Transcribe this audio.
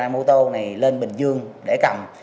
xe mô tô này lên bình dương để cầm